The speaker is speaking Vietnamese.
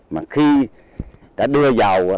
mà khi đã đưa vào